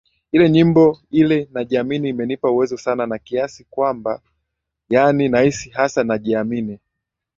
ile nyimbo ile najiamini Imenipa uwezo sana na kiasi kwamba yani nahisi hasa najiamini